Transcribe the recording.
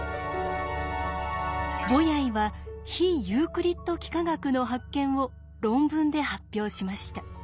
ボヤイは非ユークリッド幾何学の発見を論文で発表しました。